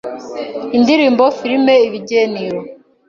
indirimbo, Filimi, ibigeniro,